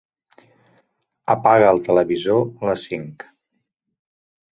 Apaga el televisor a les cinc.